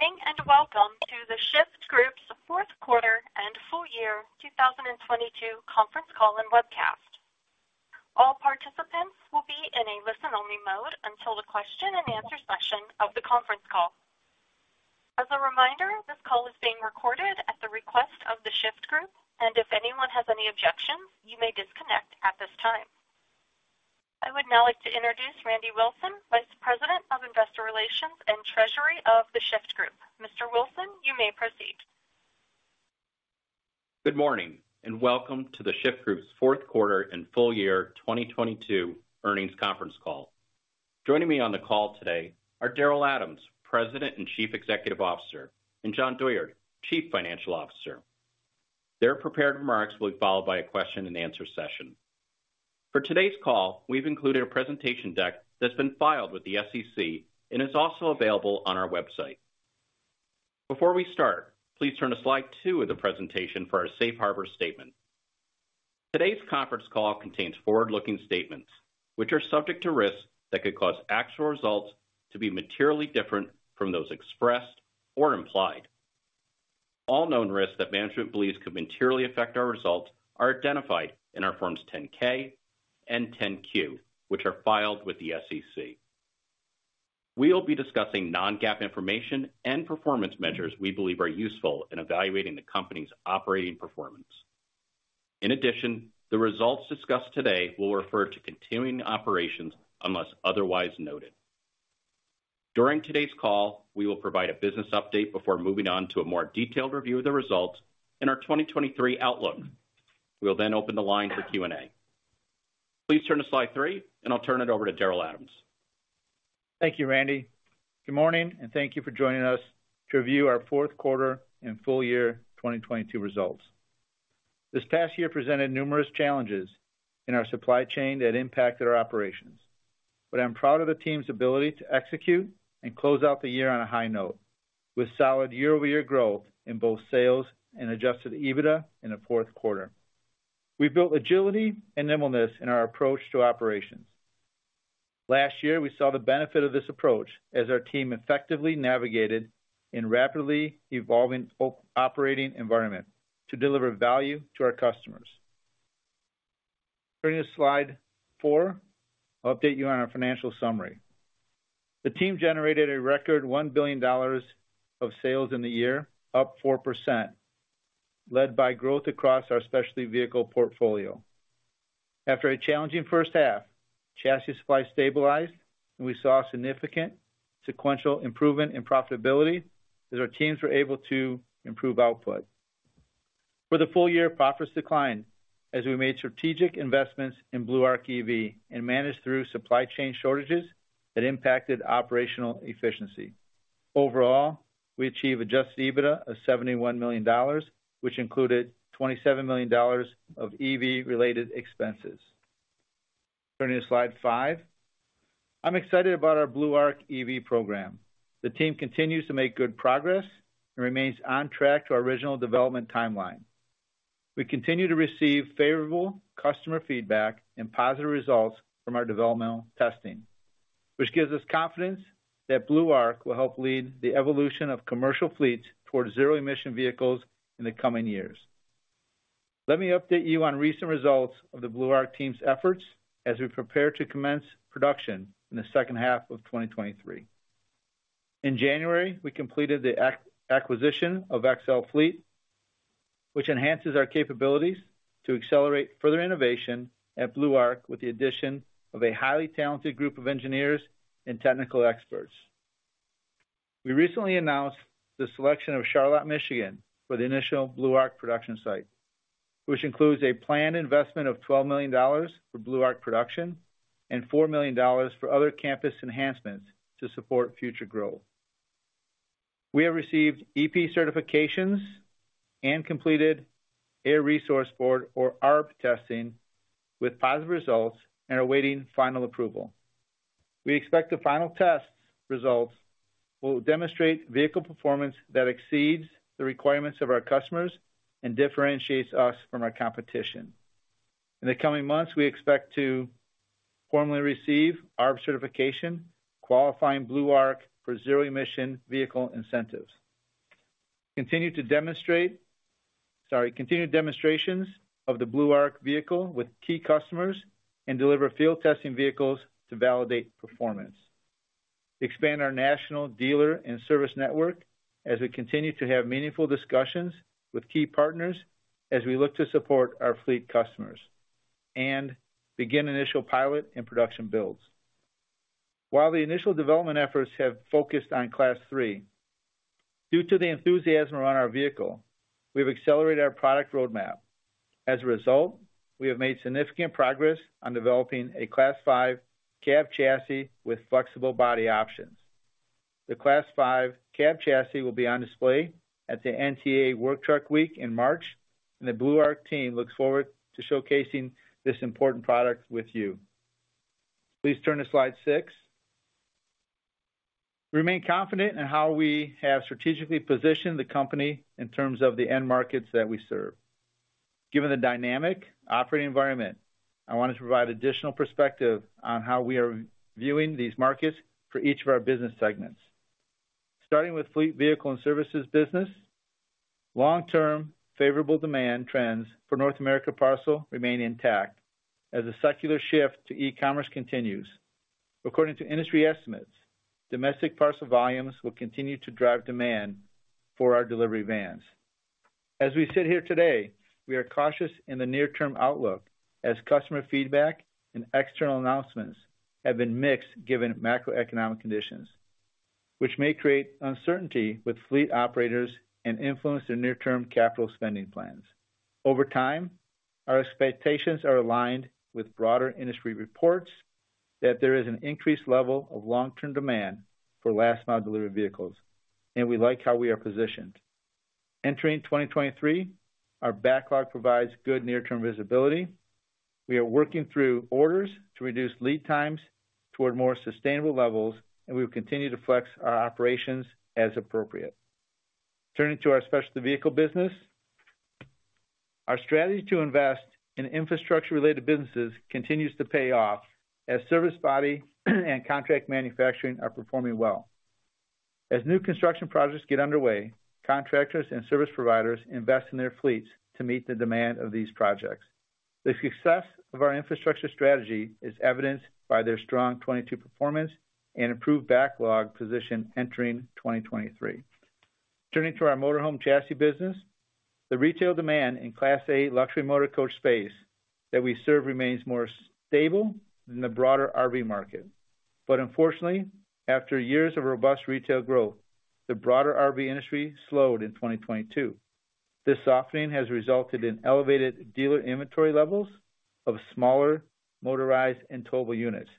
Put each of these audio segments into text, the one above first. Good morning, welcome to The Shyft Group's fourth quarter and full year 2022 conference call and webcast. All participants will be in a listen-only mode until the question and answer session of the conference call. As a reminder, this call is being recorded at the request of The Shyft Group, and if anyone has any objections, you may disconnect at this time. I would now like to introduce Randy Wilson, Vice President of Investor Relations and Treasury of The Shyft Group. Mr. Wilson, you may proceed. Good morning, and welcome to The Shyft Group's fourth quarter and full year 2022 earnings conference call. Joining me on the call today are Daryl Adams, President and Chief Executive Officer, and Jon Douyard, Chief Financial Officer. Their prepared remarks will be followed by a question and answer session. For today's call, we've included a presentation deck that's been filed with the SEC and is also available on our website. Before we start, please turn to slide two of the presentation for our safe harbor statement. Today's conference call contains forward-looking statements which are subject to risks that could cause actual results to be materially different from those expressed or implied. All known risks that management believes could materially affect our results are identified in our Form 10-K and Form 10-Q, which are filed with the SEC. We will be discussing non-GAAP information and performance measures we believe are useful in evaluating the company's operating performance. The results discussed today will refer to continuing operations unless otherwise noted. During today's call, we will provide a business update before moving on to a more detailed review of the results in our 2023 outlook. We will open the line for Q&A. Please turn to slide 3, I'll turn it over to Daryl Adams. Thank you, Randy. Good morning, and thank you for joining us to review our fourth quarter and full year 2022 results. This past year presented numerous challenges in our supply chain that impacted our operations. I'm proud of the team's ability to execute and close out the year on a high note with solid year-over-year growth in both sales and adjusted EBITDA in the fourth quarter. We built agility and nimbleness in our approach to operations. Last year, we saw the benefit of this approach as our team effectively navigated in rapidly evolving operating environment to deliver value to our customers. Turning to slide 4. I'll update you on our financial summary. The team generated a record $1 billion of sales in the year, up 4%, led by growth across our specialty vehicle portfolio. After a challenging first half, chassis supply stabilized, and we saw significant sequential improvement in profitability as our teams were able to improve output. For the full year, profits declined as we made strategic investments in Blue Arc EV and managed through supply chain shortages that impacted operational efficiency. Overall, we achieved adjusted EBITDA of $71 million, which included $27 million of EV-related expenses. Turning to slide 5. I'm excited about our Blue Arc EV program. The team continues to make good progress and remains on track to our original development timeline. We continue to receive favorable customer feedback and positive results from our developmental testing, which gives us confidence that Blue Arc will help lead the evolution of commercial fleets towards zero-emission vehicles in the coming years. Let me update you on recent results of the Blue Arc team's efforts as we prepare to commence production in the second half of 2023. In January, we completed the acquisition of XL Fleet, which enhances our capabilities to accelerate further innovation at Blue Arc with the addition of a highly talented group of engineers and technical experts. We recently announced the selection of Charlotte, Michigan for the initial Blue Arc production site, which includes a planned investment of $12 million for Blue Arc production and $4 million for other campus enhancements to support future growth. We have received EPA certifications and completed Air Resource Board or ARB testing with positive results and are awaiting final approval. We expect the final test results will demonstrate vehicle performance that exceeds the requirements of our customers and differentiates us from our competition. In the coming months, we expect to formally receive ARB certification, qualifying Blue Arc for zero-emission vehicle incentives. Sorry. Continue demonstrations of the Blue Arc vehicle with key customers and deliver field testing vehicles to validate performance. Expand our national dealer and service network as we continue to have meaningful discussions with key partners as we look to support our fleet customers and begin initial pilot and production builds. While the initial development efforts have focused on Class 3, due to the enthusiasm around our vehicle, we've accelerated our product roadmap. As a result, we have made significant progress on developing a Class 5 cab chassis with flexible body options. The Class 5 cab chassis will be on display at the NTEA Work Truck Week in March. The Blue Arc team looks forward to showcasing this important product with you. Please turn to slide 6. We remain confident in how we have strategically positioned the company in terms of the end markets that we serve. Given the dynamic operating environment, I want to provide additional perspective on how we are viewing these markets for each of our business segments. Starting with Fleet Vehicles and Services business, long-term favorable demand trends for North America parcel remain intact as the secular shift to e-commerce continues. According to industry estimates, domestic parcel volumes will continue to drive demand for our delivery vans. As we sit here today, we are cautious in the near term outlook as customer feedback and external announcements have been mixed given macroeconomic conditions, which may create uncertainty with fleet operators and influence their near-term capital spending plans. Over time, our expectations are aligned with broader industry reports that there is an increased level of long-term demand for last-mile delivery vehicles, and we like how we are positioned. Entering 2023, our backlog provides good near-term visibility. We are working through orders to reduce lead times toward more sustainable levels, and we will continue to flex our operations as appropriate. Turning to our specialty vehicle business. Our strategy to invest in infrastructure related businesses continues to pay off as service body and contract manufacturing are performing well. As new construction projects get underway, contractors and service providers invest in their fleets to meet the demand of these projects. The success of our infrastructure strategy is evidenced by their strong 2022 performance and improved backlog position entering 2023. Turning to our motorhome chassis business. The retail demand in Class A luxury motorcoach space that we serve remains more stable than the broader RV market. Unfortunately, after years of robust retail growth, the broader RV industry slowed in 2022. This softening has resulted in elevated dealer inventory levels of smaller motorized and towable units,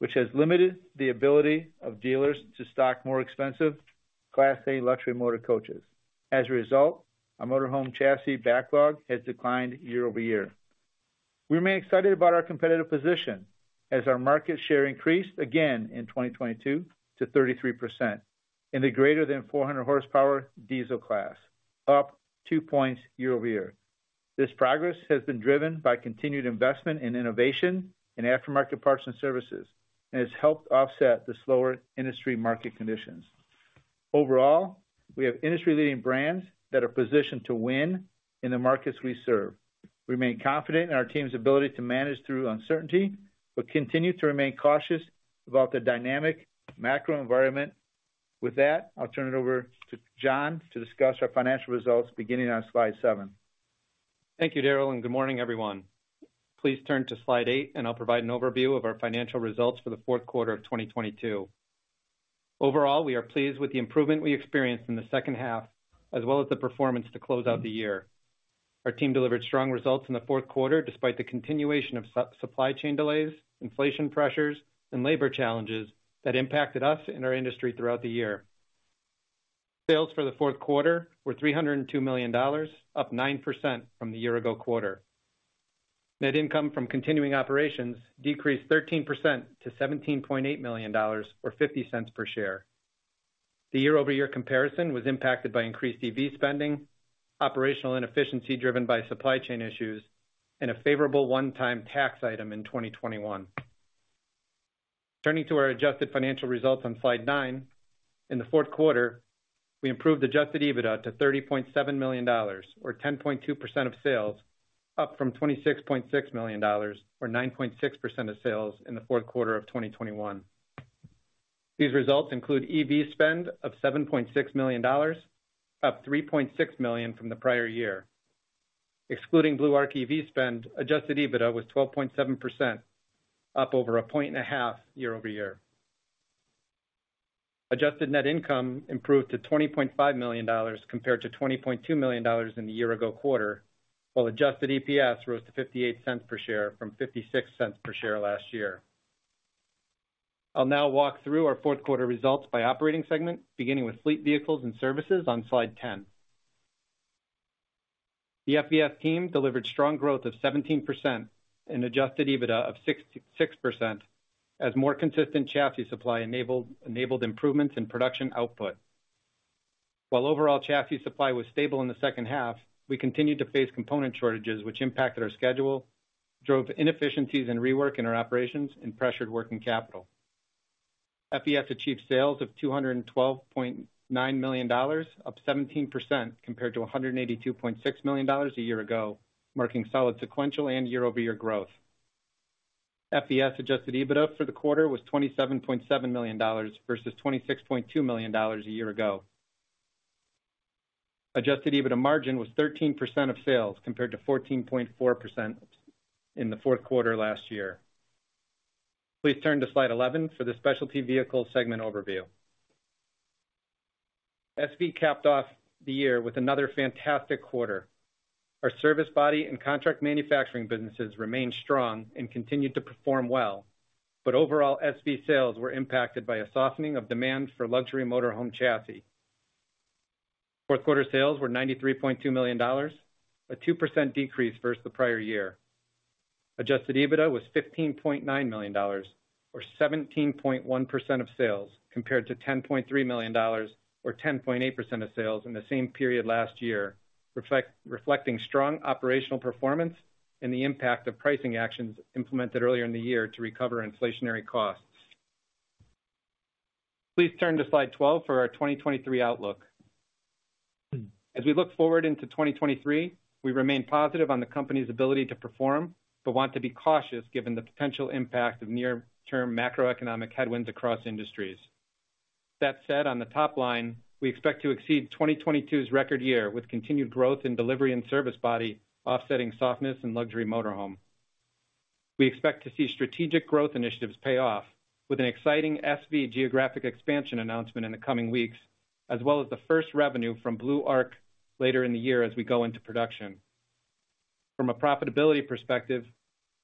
which has limited the ability of dealers to stock more expensive Class A luxury motor coaches. As a result, our motorhome chassis backlog has declined year-over-year. We remain excited about our competitive position as our market share increased again in 2022 to 33% in the greater than 400 horsepower diesel class, up 2 points year-over-year. This progress has been driven by continued investment in innovation in aftermarket parts and services, and has helped offset the slower industry market conditions. Overall, we have industry-leading brands that are positioned to win in the markets we serve. We remain confident in our team's ability to manage through uncertainty, but continue to remain cautious about the dynamic macro environment. With that, I'll turn it over to Jon to discuss our financial results beginning on slide 7. Thank you, Daryl, and good morning, everyone. Please turn to slide 8 and I'll provide an overview of our financial results for the fourth quarter of 2022. Overall, we are pleased with the improvement we experienced in the second half, as well as the performance to close out the year. Our team delivered strong results in the fourth quarter despite the continuation of supply chain delays, inflation pressures, and labor challenges that impacted us and our industry throughout the year. Sales for the fourth quarter were $302 million, up 9% from the year-ago quarter. Net income from continuing operations decreased 13% to $17.8 million or $0.50 per share. The year-over-year comparison was impacted by increased EV spending, operational inefficiency driven by supply chain issues, and a favorable one-time tax item in 2021. Turning to our adjusted financial results on slide 9. In the fourth quarter, we improved adjusted EBITDA to $30.7 million or 10.2% of sales, up from $26.6 million or 9.6% of sales in the fourth quarter of 2021. These results include EV spend of $7.6 million, up $3.6 million from the prior year. Excluding Blue Arc EV spend, adjusted EBITDA was 12.7%, up over 1.5 points year-over-year. Adjusted net income improved to $20.5 million compared to $20.2 million in the year-ago quarter, while adjusted EPS rose to $0.58 per share from $0.56 per share last year. I'll now walk through our fourth quarter results by operating segment, beginning with Fleet Vehicles and Services on slide 10. The FES team delivered strong growth of 17% and adjusted EBITDA of 6.6% as more consistent chassis supply enabled improvements in production output. Overall chassis supply was stable in the second half, we continued to face component shortages which impacted our schedule, drove inefficiencies in rework in our operations, and pressured working capital. FES achieved sales of $212.9 million, up 17% compared to $182.6 million a year ago, marking solid sequential and year-over-year growth. FES adjusted EBITDA for the quarter was $27.7 million versus $26.2 million a year ago. Adjusted EBITDA margin was 13% of sales compared to 14.4% in the fourth quarter last year. Please turn to slide 11 for the Specialty Vehicle Segment overview. SV capped off the year with another fantastic quarter. Our service body and contract manufacturing businesses remained strong and continued to perform well. Overall SV sales were impacted by a softening of demand for luxury motorhome chassis. Fourth quarter sales were $93.2 million, a 2% decrease versus the prior year. Adjusted EBITDA was $15.9 million or 17.1% of sales compared to $10.3 million or 10.8% of sales in the same period last year, reflecting strong operational performance and the impact of pricing actions implemented earlier in the year to recover inflationary costs. Please turn to slide 12 for our 2023 outlook. As we look forward into 2023, we remain positive on the Company's ability to perform, but want to be cautious given the potential impact of near-term macroeconomic headwinds across industries. That said, on the top line, we expect to exceed 2022's record year, with continued growth in delivery and service body offsetting softness in luxury motorhome. We expect to see strategic growth initiatives pay off with an exciting SV geographic expansion announcement in the coming weeks, as well as the first revenue from Blue Arc later in the year as we go into production. From a profitability perspective,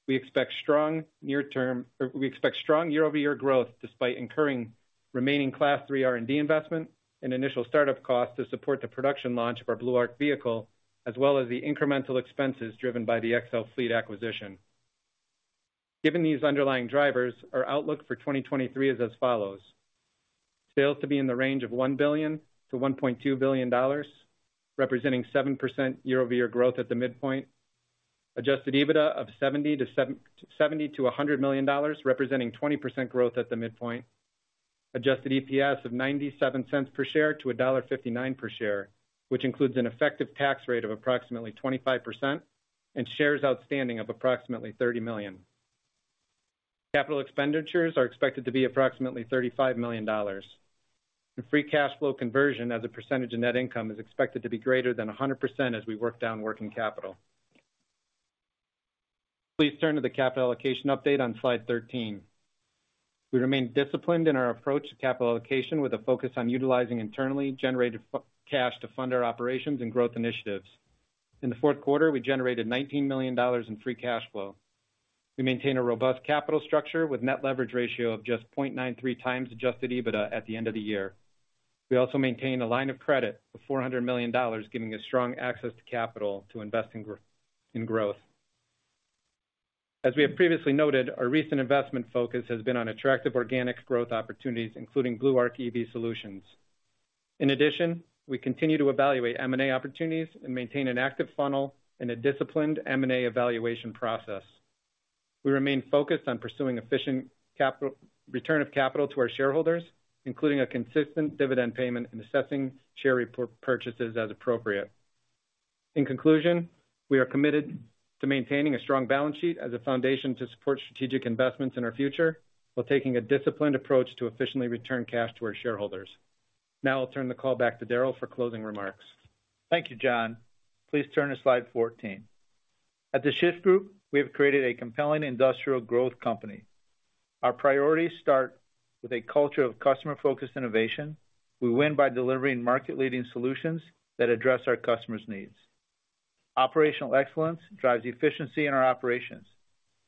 we expect strong year-over-year growth despite incurring remaining Class 3 R&D investment and initial startup costs to support the production launch of our Blue Arc vehicle, as well as the incremental expenses driven by the XL Fleet acquisition. Given these underlying drivers, our outlook for 2023 is as follows: Sales to be in the range of $1 billion–$1.2 billion, representing 7% year-over-year growth at the midpoint. Adjusted EBITDA of $70–$100 million, representing 20% growth at the midpoint. Adjusted EPS of $0.97 per share to $1.59 per share, which includes an effective tax rate of approximately 25% and shares outstanding of approximately 30 million. Capital expenditures are expected to be approximately $35 million. Free cash flow conversion as a percentage of net income is expected to be greater than 100% as we work down working capital. Please turn to the capital allocation update on slide 13. We remain disciplined in our approach to capital allocation, with a focus on utilizing internally generated cash to fund our operations and growth initiatives. In the fourth quarter, we generated $19 million in free cash flow. We maintain a robust capital structure with a net leverage ratio of just 0.93× adjusted EBITDA at the end of the year. We also maintain a line of credit of $400 million, giving us strong access to capital to invest in growth. As we have previously noted, our recent investment focus has been on attractive organic growth opportunities, including Blue Arc EV solutions. In addition, we continue to evaluate M&A opportunities and maintain an active funnel and a disciplined M&A evaluation process. We remain focused on pursuing efficient return of capital to our shareholders, including a consistent dividend payment and assessing share repurchases as appropriate. In conclusion, we are committed to maintaining a strong balance sheet as a foundation to support strategic investments in our future while taking a disciplined approach to efficiently return cash to our shareholders. Now I'll turn the call back to Daryl for closing remarks. Thank you, Jon. Please turn to slide 14. At The Shyft Group, we have created a compelling industrial growth company. Our priorities start with a culture of customer-focused innovation. We win by delivering market-leading solutions that address our customers' needs. Operational excellence drives efficiency in our operations,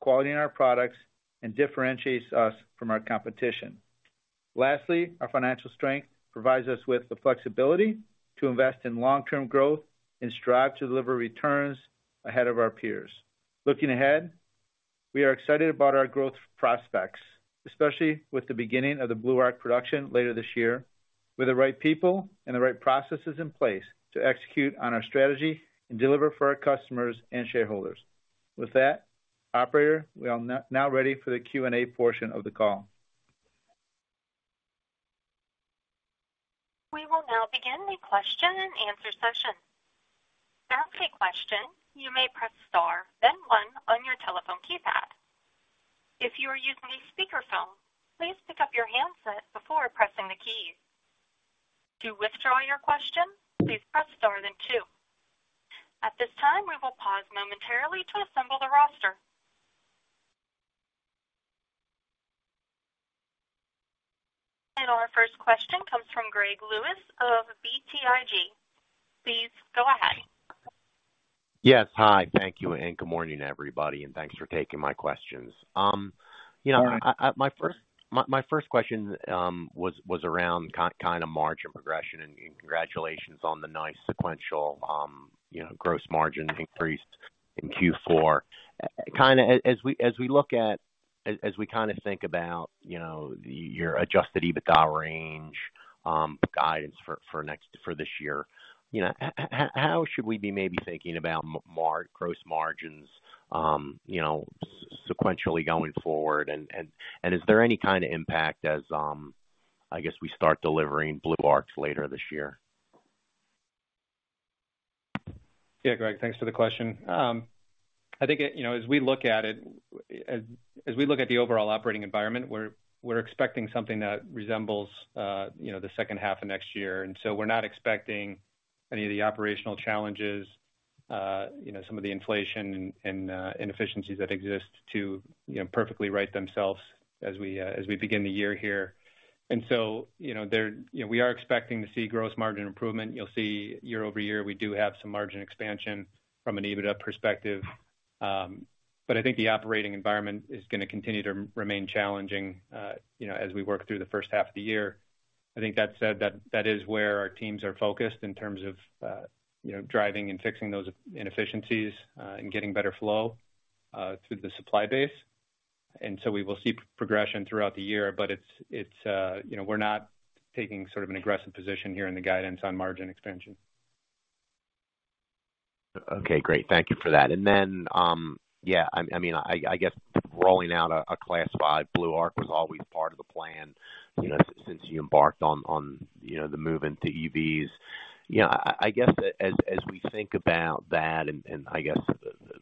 quality in our products, and differentiates us from our competition. Lastly, our financial strength provides us with the flexibility to invest in long-term growth and strive to deliver returns ahead of our peers. Looking ahead, we are excited about our growth prospects, especially with the beginning of the Blue Arc production later this year, with the right people and the right processes in place to execute on our strategy and deliver for our customers and shareholders. With that, operator, we are now ready for the Q&A portion of the call. We will now begin the question and answer session. To ask a question, you may press star, then one on your telephone keypad. If you are using a speakerphone, please pick up your handset before pressing the keys. To withdraw your question, please press Star, then 2. At this time, we will pause momentarily to assemble the roster. Our first question comes from Greg Lewis of BTIG. Please go ahead. Yes. Hi. Thank you, good morning, everybody, thanks for taking my questions. All right. My first question was around kind of margin progression and congratulations on the nice sequential, you know, gross margin increase in Q4. Kind of as we look at, as we kind of think about, you know, your adjusted EBITDA range guidance for this year, you know, how should we be maybe thinking about gross margins, you know, sequentially going forward? And is there any kind of impact as, I guess, we start delivering BlueArcs later this year? Yeah. Greg, thanks for the question. I think, you know, as we look at it, as we look at the overall operating environment, we're expecting something that resembles, you know, the second half of next year. We're not expecting any of the operational challenges, you know, some of the inflation and inefficiencies that exist to, you know, perfectly right themselves as we begin the year here. You know, we are expecting to see gross margin improvement. You'll see year-over-year, we do have some margin expansion from an EBITDA perspective. I think the operating environment is gonna continue to remain challenging, you know, as we work through the first half of the year. I think that said, that is where our teams are focused in terms of, you know, driving and fixing those inefficiencies, and getting better flow through the supply base. We will see progression throughout the year. It's, you know, we're not taking sort of an aggressive position here in the guidance on margin expansion. Okay, great. Thank you for that. I mean, I guess rolling out a Class 5 Blue Arc was always part of the plan, you know, since you embarked on, you know, the move into EVs. I guess as we think about that and I guess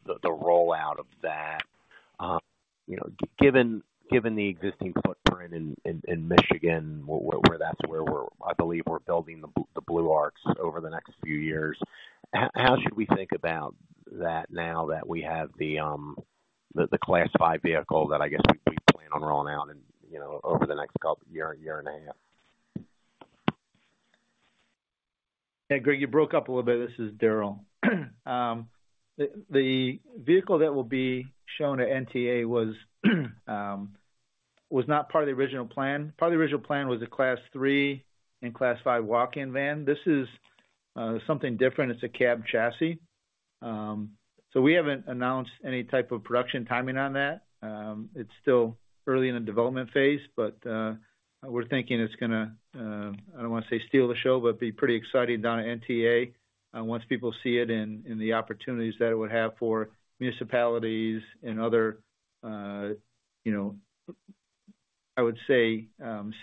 the, the rollout of that, you know, given the existing footprint in, in Michigan, where that's where I believe we're building the Blue Arcs over the next few years. How should we think about that now that we have the Class 5 vehicle that I guess we plan on rolling out in, you know, over the next couple year and a half? Yeah. Greg, you broke up a little bit. This is Daryl. The vehicle that will be shown at NTEA was not part of the original plan. Part of the original plan was a Class 3 and Class 5 walk-in van. This is something different. It's a cab chassis. We haven't announced any type of production timing on that. It's still early in the development phase, but we're thinking it's gonna, I don't wanna say steal the show, but be pretty exciting down at NTEA once people see it and the opportunities that it would have for municipalities and other, you know, I would say,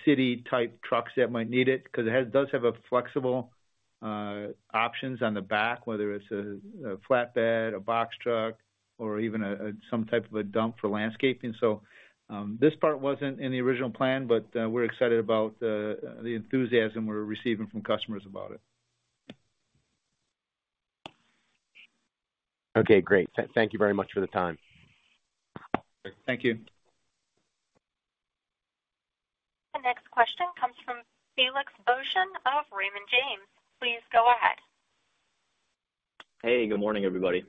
city type trucks that might need it because it does have a flexible options on the back, whether it's a flatbed, a box truck, or even some type of a dump for landscaping. This part wasn't in the original plan, but we're excited about the enthusiasm we're receiving from customers about it. Okay, great. Thank you very much for the time. Thank you. The next question comes from Felix Boeschen of Raymond James. Please go ahead. Hey, good morning, everybody.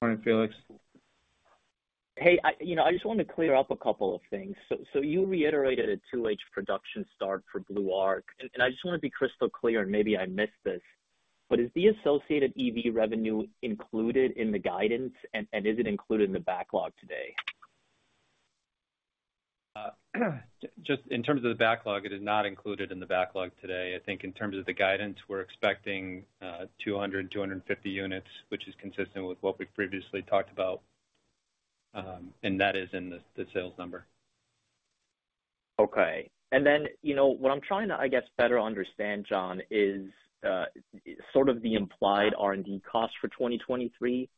Morning, Felix. Hey, I you know, I just wanted to clear up a couple of things. You reiterated a 2H production start for Blue Arc. I just wanna be crystal clear, and maybe I missed this, is the associated EV revenue included in the guidance and is it included in the backlog today? Just in terms of the backlog, it is not included in the backlog today. I think in terms of the guidance, we're expecting 250 units, which is consistent with what we've previously talked about. That is in the sales number. Okay. You know, what I'm trying to, I guess, better understand, Jon, is sort of the implied R&D cost for 2023.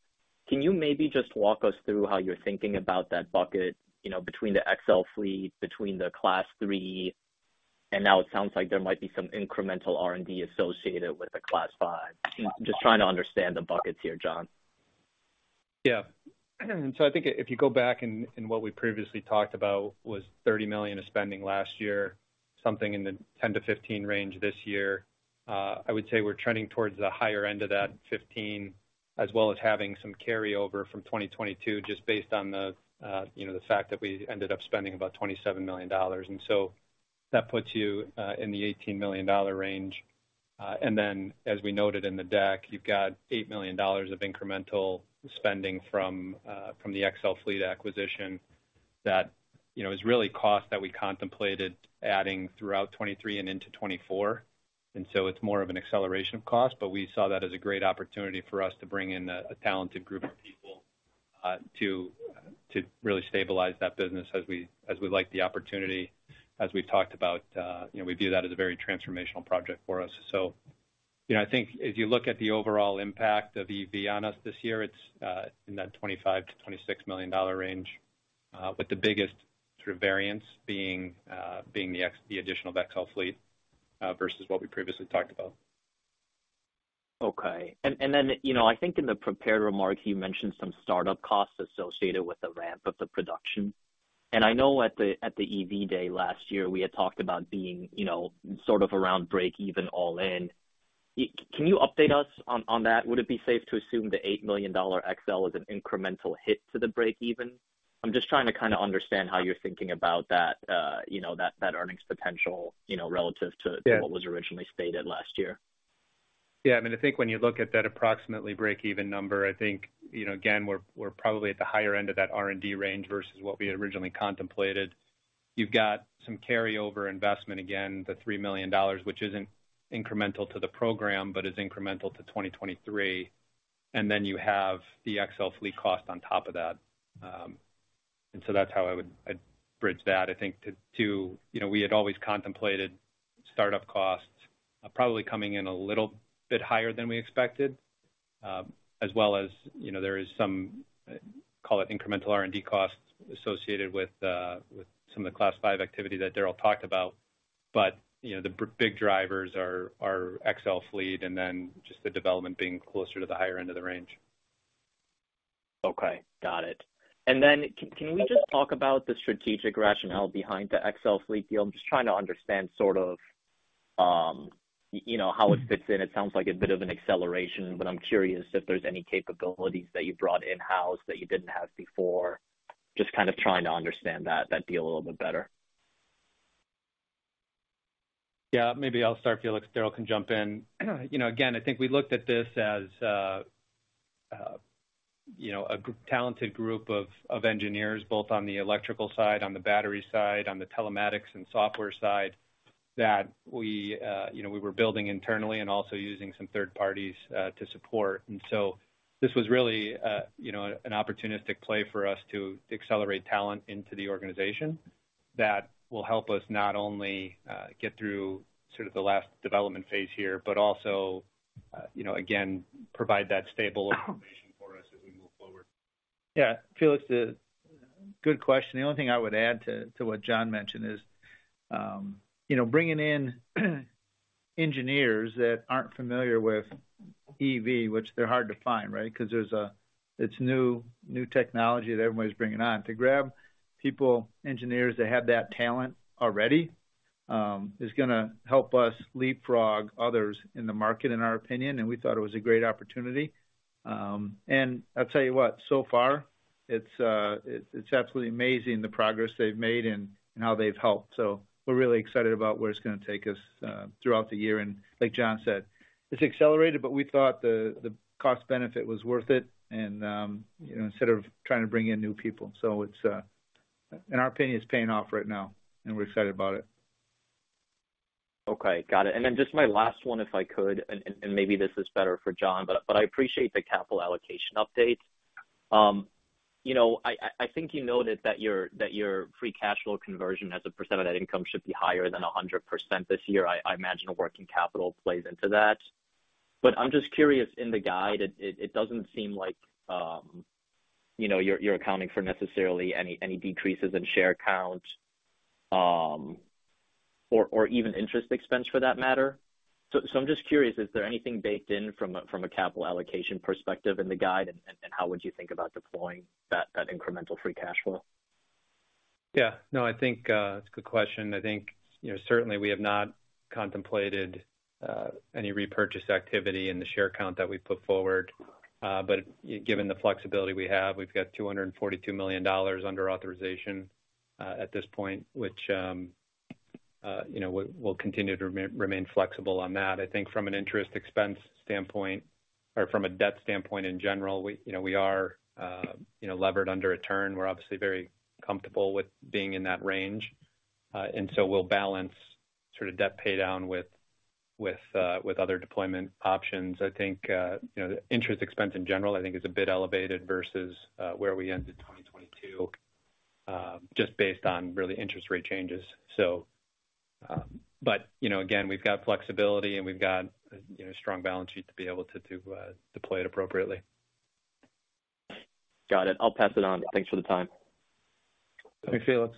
Can you maybe just walk us through how you're thinking about that bucket, you know, between the XL Fleet, between the Class 3, and now it sounds like there might be some incremental R&D associated with the Class 5. Just trying to understand the buckets here, Jon. Yeah. I think if you go back and what we previously talked about was $30 million of spending last year, something in the $10 million–$15 million range this year. I would say we're trending towards the higher end of that $15 million, as well as having some carryover from 2022 just based on the, you know, the fact that we ended up spending about $27 million. That puts you in the $18 million range. As we noted in the deck, you've got $8 million of incremental spending from the XL Fleet acquisition that, you know, is really cost that we contemplated adding throughout 2023 and into 2024. It's more of an acceleration of cost. We saw that as a great opportunity for us to bring in a talented group of people to really stabilize that business as we like the opportunity. As we've talked about, you know, we view that as a very transformational project for us. You know, I think if you look at the overall impact of EV on us this year, it's in that $25 million-$26 million range. With the biggest sort of variance being the additional of XL Fleet versus what we previously talked about. Okay. And then, you know, I think in the prepared remarks, you mentioned some startup costs associated with the ramp of the production. I know at the EV day last year, we had talked about being, you know, sort of around breakeven all in. Can you update us on that? Would it be safe to assume the $8 million XL is an incremental hit to the breakeven? I'm just trying to kinda understand how you're thinking about that, you know, that earnings potential, you know, relative to- Yeah. what was originally stated last year. Yeah. I mean, I think when you look at that approximately breakeven number, I think, you know, again, we're probably at the higher end of that R&D range versus what we originally contemplated. You've got some carryover investment, again, the $3 million, which isn't incremental to the program but is incremental to 2023. Then you have the XL Fleet cost on top of that. So that's how I would, I'd bridge that. I think you know, we had always contemplated startup costs probably coming in a little bit higher than we expected. As well as, you know, there is some, call it incremental R&D costs associated with some of the Class 5 activity that Daryl talked about. you know, the big drivers are XL Fleet and then just the development being closer to the higher end of the range. Okay. Got it. Can we just talk about the strategic rationale behind the XL Fleet deal? I'm just trying to understand you know, how it fits in, it sounds like a bit of an acceleration, but I'm curious if there's any capabilities that you brought in-house that you didn't have before. Just kind of trying to understand that deal a little bit better. Yeah. Maybe I'll start, Felix. Daryl can jump in. You know, again, I think we looked at this as, you know, a talented group of engineers, both on the electrical side, on the battery side, on the telematics and software side, that we, you know, we were building internally and also using some third parties to support. This was really, you know, an opportunistic play for us to accelerate talent into the organization that will help us not only get through sort of the last development phase here, but also, you know, again, provide that stable foundation for us as we move forward. Yeah. Felix, good question. The only thing I would add to what Jon mentioned is, you know, bringing in engineers that aren't familiar with EV, which they're hard to find, right? Because it's new technology that everybody's bringing on. To grab people, engineers that have that talent already, is gonna help us leapfrog others in the market, in our opinion, and we thought it was a great opportunity. I'll tell you what, so far it's absolutely amazing the progress they've made and how they've helped. We're really excited about where it's gonna take us throughout the year. Like John said, it's accelerated, but we thought the cost benefit was worth it and, you know, instead of trying to bring in new people. It's. In our opinion, it's paying off right now, and we're excited about it. Okay. Got it. Just my last one, if I could, and maybe this is better for Jon, but I appreciate the capital allocation update. you know, I think you noted that your free cash flow conversion as a percent of net income should be higher than 100% this year. I imagine working capital plays into that. I'm just curious, in the guide, it doesn't seem like, you know, you're accounting for necessarily any decreases in share count, or even interest expense for that matter. I'm just curious, is there anything baked in from a capital allocation perspective in the guide, and how would you think about deploying that incremental free cash flow? Yeah. No, I think it's a good question. I think, you know, certainly we have not contemplated any repurchase activity in the share count that we put forward. Given the flexibility we have, we've got $242 million under authorization at this point, which, you know, we'll continue to remain flexible on that. I think from an interest expense standpoint or from a debt standpoint in general, we, you know, we are, you know, levered under a turn. We're obviously very comfortable with being in that range. We'll balance sort of debt paydown with other deployment options. I think, you know, the interest expense in general, I think is a bit elevated versus where we ended 2022, just based on really interest rate changes. You know, again, we've got flexibility and we've got, you know, strong balance sheet to be able to deploy it appropriately. Got it. I'll pass it on. Thanks for the time. Thanks, Felix.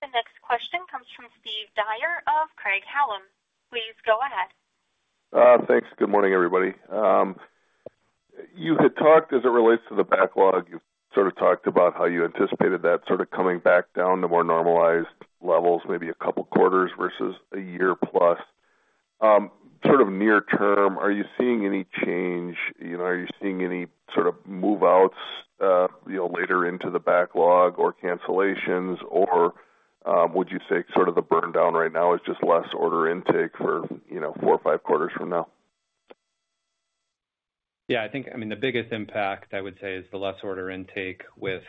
The next question comes from Steve Dyer of Craig-Hallum. Please go ahead. Thanks. Good morning, everybody. You had talked as it relates to the backlog, you sort of talked about how you anticipated that sort of coming back down to more normalized levels, maybe a couple quarters versus a year plus. Sort of near term, are you seeing any change? You know, are you seeing any sort of move-outs, you know, later into the backlog or cancellations? Would you say sort of the burn down right now is just less order intake for, you know, 4 or 5 quarters from now? Yeah, I think, I mean, the biggest impact I would say is the less order intake with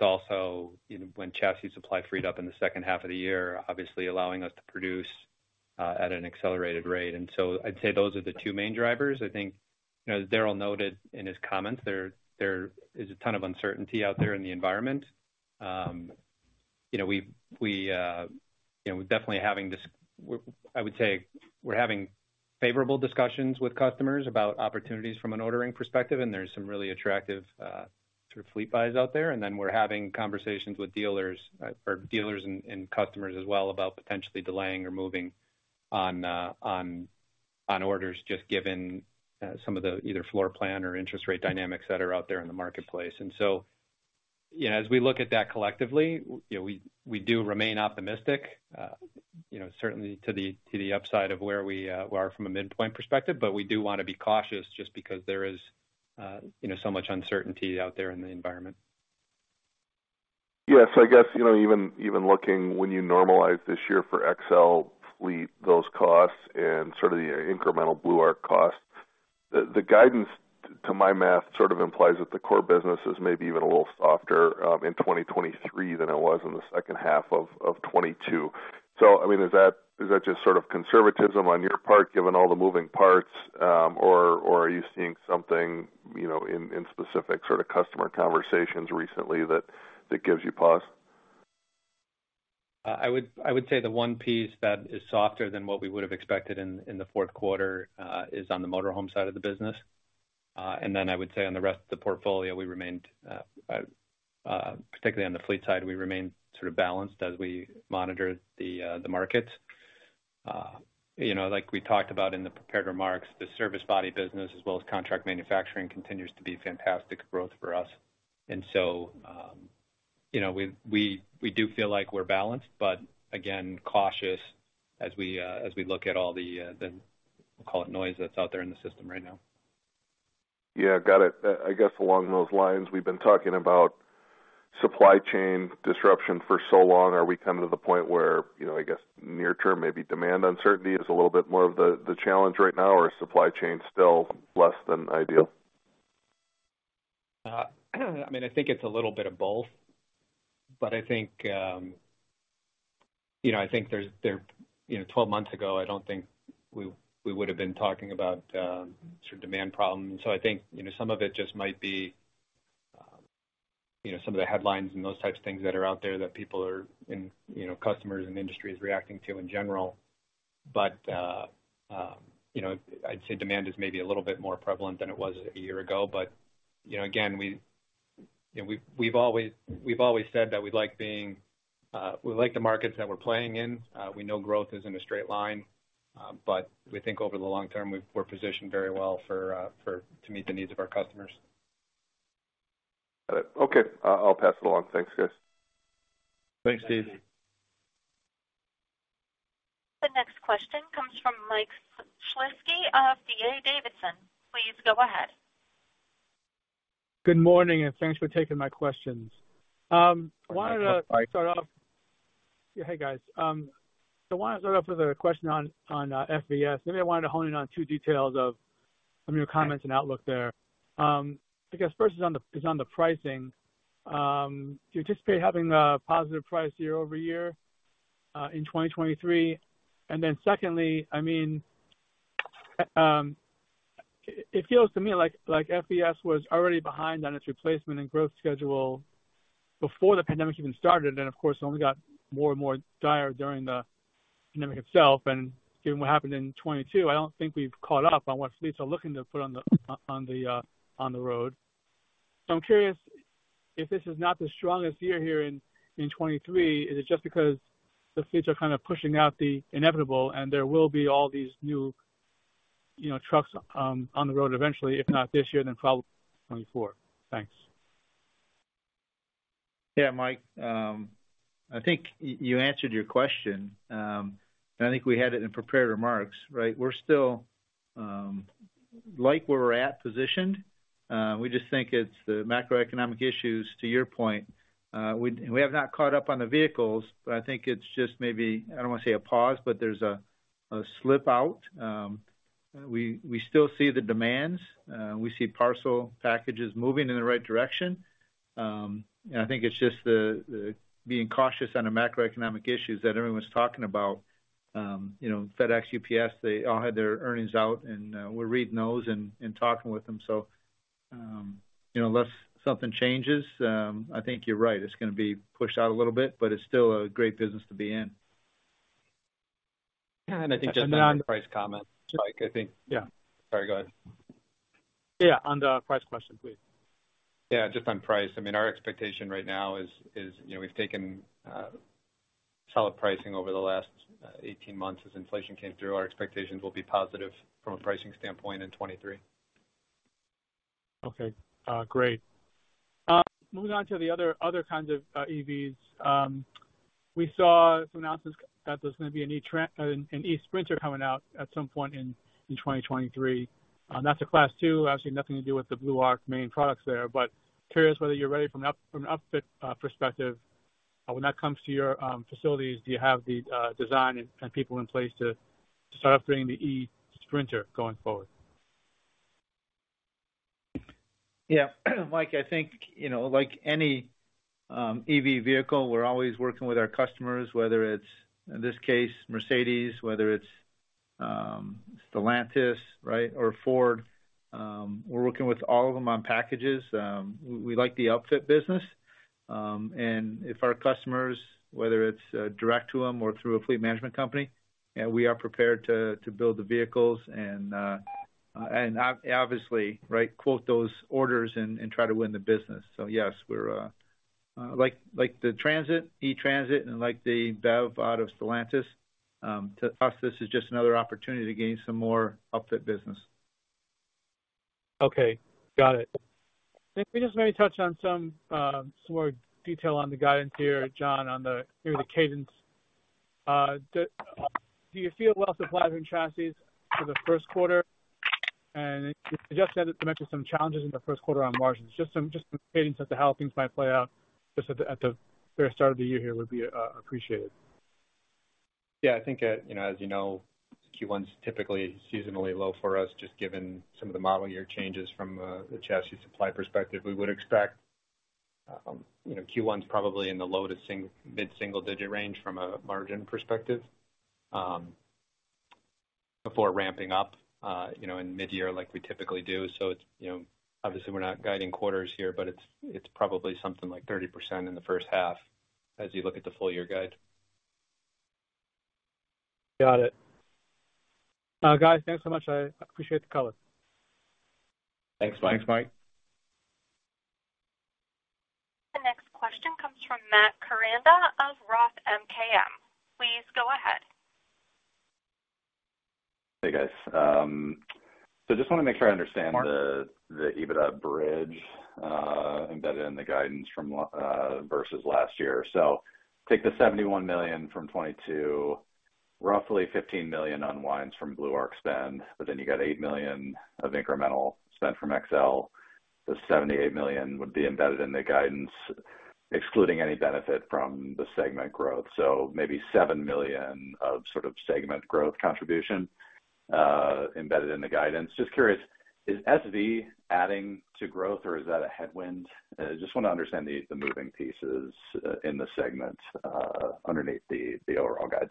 also, you know, when chassis supply freed up in the second half of the year, obviously allowing us to produce at an accelerated rate. I'd say those are the two main drivers. I think, you know, as Daryl noted in his comments, there is a ton of uncertainty out there in the environment. You know, we've, we, you know, I would say we're having favorable discussions with customers about opportunities from an ordering perspective, and there's some really attractive, sort of fleet buys out there. Then we're having conversations with dealers, or dealers and customers as well about potentially delaying or moving on orders just given some of the either floor plan or interest rate dynamics that are out there in the marketplace. So, you know, as we look at that collectively, you know, we do remain optimistic, you know, certainly to the upside of where we, where we are from a midpoint perspective. We do wanna be cautious just because there is, you know, so much uncertainty out there in the environment. Yes. I guess, you know, even looking when you normalize this year for XL Fleet, those costs and sort of the incremental Blue Arc costs, the guidance, to my math, sort of implies that the core business is maybe even a little softer in 2023 than it was in the second half of 2022. I mean, is that just sort of conservatism on your part given all the moving parts? Or are you seeing something, you know, in specific sort of customer conversations recently that gives you pause? I would say the one piece that is softer than what we would have expected in the fourth quarter is on the motorhome side of the business. I would say on the rest of the portfolio, we remained particularly on the fleet side, we remained sort of balanced as we monitored the markets. You know, like we talked about in the prepared remarks, the service body business as well as contract manufacturing continues to be fantastic growth for us. You know, we do feel like we're balanced, but again, cautious as we look at all the call it noise that's out there in the system right now. Yeah, got it. I guess along those lines, we've been talking about supply chain disruption for so long. Are we coming to the point where, you know, I guess near term maybe demand uncertainty is a little bit more of the challenge right now, or is supply chain still less than ideal? I mean, I think it's a little bit of both. I think, you know, I think there's, you know, 12 months ago, I don't think we would have been talking about, sort of demand problems. I think, you know, some of it just might be, you know, some of the headlines and those types of things that are out there that people are in, you know, customers and industry is reacting to in general. You know, I'd say demand is maybe a little bit more prevalent than it was a year ago. You know, again, we, you know, we've always said that we like being, we like the markets that we're playing in. We know growth is in a straight line. We think over the long term, we're positioned very well to meet the needs of our customers. Got it. Okay, I'll pass it along. Thanks, guys. Thanks, Steve. The next question comes from Mike Shlisky of D.A. Davidson. Please go ahead. Good morning. Thanks for taking my questions. Mike. Yeah. Hey, guys. I want to start off with a question on FES. Maybe I wanted to hone in on two details of some of your comments and outlook there. I guess first is on the, is on the pricing. Do you anticipate having a positive price year over year in 2023? Secondly, I mean, it feels to me like FES was already behind on its replacement and growth schedule before the pandemic even started. Of course, only got more and more dire during the pandemic itself. Given what happened in 22, I don't think we've caught up on what fleets are looking to put on the, on the road. I'm curious if this is not the strongest year here in 2023, is it just because the fleets are kind of pushing out the inevitable and there will be all these new, you know, trucks on the road eventually, if not this year, then probably 2024? Thanks. Yeah, Mike, I think you answered your question. I think we had it in prepared remarks, right? We're still like where we're at positioned. We just think it's the macroeconomic issues, to your point. We have not caught up on the vehicles, but I think it's just maybe, I don't want to say a pause, but there's a slip out. We still see the demands. We see parcel packages moving in the right direction. I think it's just the being cautious on the macroeconomic issues that everyone's talking about. You know, FedEx, UPS, they all had their earnings out, and we're reading those and talking with them. You know, unless something changes, I think you're right. It's gonna be pushed out a little bit, but it's still a great business to be in. Just on the price comment, Mike. Yeah. Sorry, go ahead. Yeah, on the price question, please. Yeah, just on price. I mean, our expectation right now is, you know, we've taken solid pricing over the last 18 months as inflation came through. Our expectations will be positive from a pricing standpoint in 2023. Okay. Great. Moving on to the other kinds of EVs. We saw some announcements that there's going to be an eSprinter coming out at some point in 2023. That's a Class 2. Obviously, nothing to do with the Blue Arc main products there, curious whether you're ready from an upfit perspective. When that comes to your facilities, do you have the design and people in place to start offering the eSprinter going forward? Yeah. Mike, I think, you know, like any EV vehicle, we're always working with our customers, whether it's, in this case, Mercedes, whether it's Stellantis, right? Ford. We're working with all of them on packages. We like the upfit business. If our customers, whether it's direct to them or through a fleet management company, yeah, we are prepared to build the vehicles and obviously, right, quote those orders and try to win the business. Yes, we're like the Transit, E-Transit and like the BEV out of Stellantis, to us, this is just another opportunity to gain some more upfit business. Okay. Got it. If we just maybe touch on some more detail on the guidance here, Jon, on the, you know, the cadence. Do you feel well-supplied in chassis for the first quarter? You just mentioned some challenges in the first quarter on margins. Just some cadence as to how things might play out just at the very start of the year here would be appreciated. Yeah, I think, you know, as you know, Q1 is typically seasonally low for us, just given some of the model year changes from the chassis supply perspective. We would expect, you know, Q1 is probably in the low to mid-single digit range from a margin perspective, before ramping up, you know, in mid-year like we typically do. It's, you know, obviously we're not guiding quarters here, but it's probably something like 30% in the first half as you look at the full year guide. Got it. Guys, thanks so much. I appreciate the call. Thanks, Mike. Thanks, Mike. Matt Koranda of Roth MKM, please go ahead. Hey, guys. Just want to make sure I understand the EBITDA bridge embedded in the guidance versus last year. Take the $71 million from 2022, roughly $15 million unwinds from Blue Arc spend, but then you got $8 million of incremental spend from XL. The $78 million would be embedded in the guidance, excluding any benefit from the segment growth. Maybe $7 million of sort of segment growth contribution embedded in the guidance. Just curious, is SV adding to growth or is that a headwind? I just want to understand the moving pieces in the segment underneath the overall guide.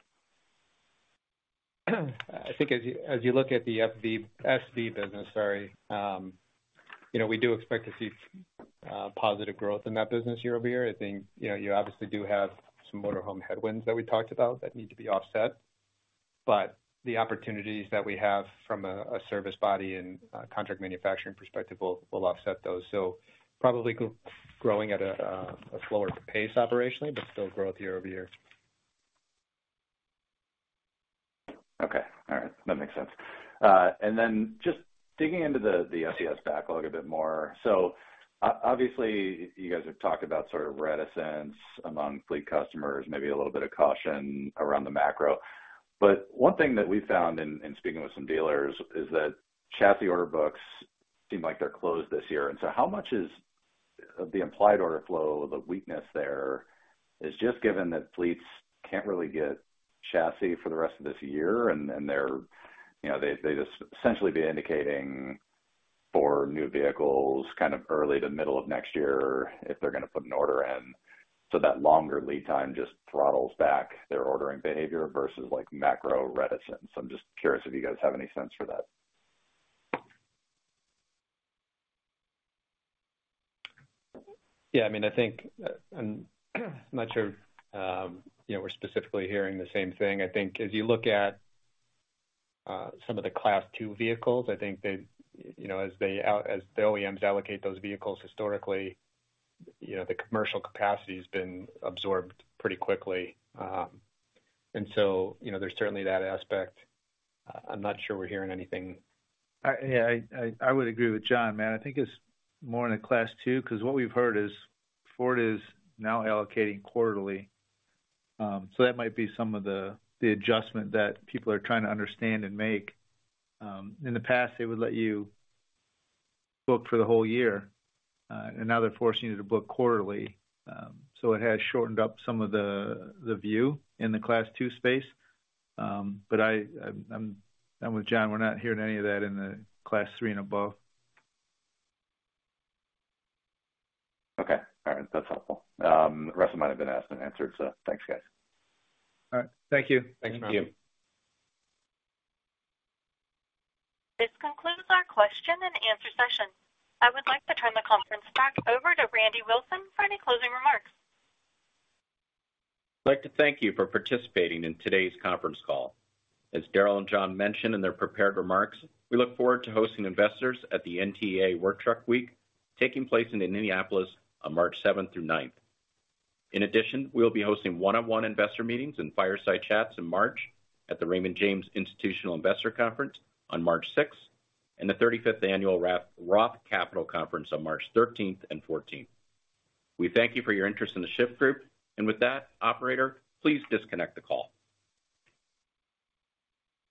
I think as you, as you look at the SV business, sorry, you know, we do expect to see positive growth in that business year-over-year. I think, you know, you obviously do have some motor home headwinds that we talked about that need to be offset, but the opportunities that we have from a service body and a contract manufacturing perspective will offset those. Probably growing at a slower pace operationally, but still growth year-over-year. All right. That makes sense. Just digging into the FES backlog a bit more. Obviously you guys have talked about sort of reticence among fleet customers, maybe a little bit of caution around the macro. One thing that we found in speaking with some dealers is that chassis order books seem like they're closed this year. How much is of the implied order flow, the weakness there is just given that fleets can't really get chassis for the rest of this year and they're, you know, they just essentially be indicating for new vehicles kind of early to middle of next year if they're gonna put an order in, so that longer lead time just throttles back their ordering behavior versus like macro reticence. I'm just curious if you guys have any sense for that? I mean, I think, I'm not sure, you know, we're specifically hearing the same thing. I think as you look at some of the Class 2 vehicles, I think they, you know, as the OEMs allocate those vehicles historically, you know, the commercial capacity has been absorbed pretty quickly. You know, there's certainly that aspect. I'm not sure we're hearing anything. Yeah. I would agree with Jon, man. I think it's more in a Class 2 because what we've heard is Ford is now allocating quarterly. That might be some of the adjustment that people are trying to understand and make. In the past, they would let you book for the whole year. Now they're forcing you to book quarterly. It has shortened up some of the view in the Class 2 space. I'm with Jon. We're not hearing any of that in the Class 3 and above. Okay. All right. That's helpful. The rest of them might have been asked and answered, so thanks, guys. All right. Thank you. Thank you. Thanks. This concludes our question and answer session. I would like to turn the conference back over to Randy Wilson for any closing remarks. I'd like to thank you for participating in today's conference call. As Daryl and Jon mentioned in their prepared remarks, we look forward to hosting investors at the NTEA Work Truck Week taking place in Indianapolis on March 7 through 9. We'll be hosting one-on-one investor meetings and fireside chats in March at the Raymond James Institutional Investors Conference on March 6, and the 35th annual Roth Capital Conference on March 13 and 14. We thank you for your interest in The Shyft Group. With that, operator, please disconnect the call.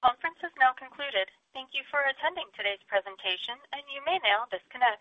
Conference is now concluded. Thank you for attending today's presentation. You may now disconnect.